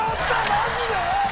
マジで！？